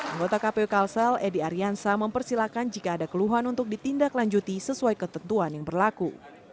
anggota kpu kalsel edi aryansa mempersilahkan jika ada keluhan untuk ditindaklanjuti sesuai ketentuan yang berlaku